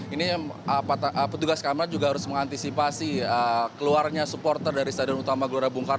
ini petugas kamar juga harus mengantisipasi keluarnya supporter dari stadion utama gbk